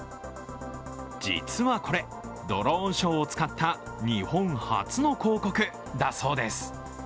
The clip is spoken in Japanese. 実はこれ、ドローンショーを使った日本初の広告だそうです。